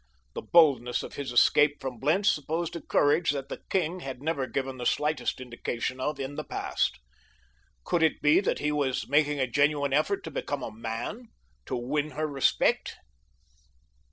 The boldness of his escape from Blentz supposed a courage that the king had never given the slightest indication of in the past. Could it be that he was making a genuine effort to become a man—to win her respect?